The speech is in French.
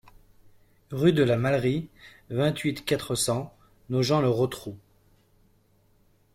Rue de la Mâlerie, vingt-huit, quatre cents Nogent-le-Rotrou